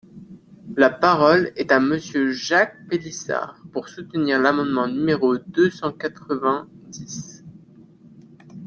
La parole est à Monsieur Jacques Pélissard, pour soutenir l’amendement numéro deux cent quatre-vingt-dix.